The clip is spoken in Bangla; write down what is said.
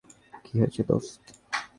কি হয়েছে, দোস্ত?